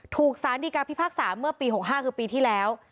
สารดีการพิพากษาเมื่อปี๖๕คือปีที่แล้ว